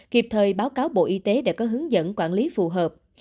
kịp thời báo cáo bộ y tế để có hướng dẫn quản lý phù hợp